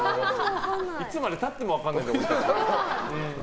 いつまで経っても分からないよ。